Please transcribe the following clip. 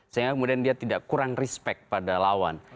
sehingga kemudian dia tidak kurang respect pada lawan